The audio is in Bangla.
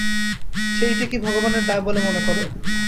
সেইটেকেই ভগবানের দায় বলে মনে করো।